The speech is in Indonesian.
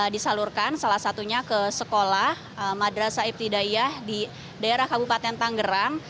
disalurkan salah satunya ke sekolah madrasah ibtidayah di daerah kabupaten tanggerang